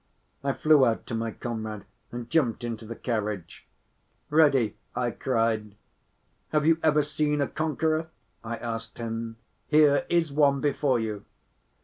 I flew out to my comrade and jumped into the carriage. "Ready," I cried. "Have you ever seen a conqueror?" I asked him. "Here is one before you."